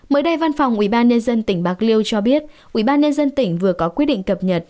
mới đây văn phòng ubnd tỉnh bạc liêu cho biết ubnd tỉnh vừa có quyết định cập nhật